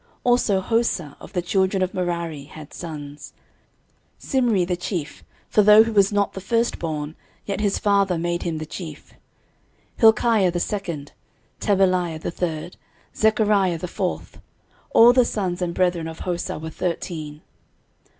13:026:010 Also Hosah, of the children of Merari, had sons; Simri the chief, (for though he was not the firstborn, yet his father made him the chief;) 13:026:011 Hilkiah the second, Tebaliah the third, Zechariah the fourth: all the sons and brethren of Hosah were thirteen.